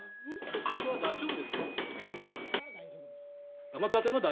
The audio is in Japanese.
僕は大丈夫ですかね。